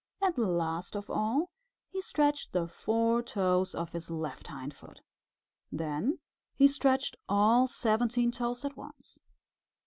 And last of all he stretched the four toes of his left hindfoot. Then he stretched all seventeen toes at once.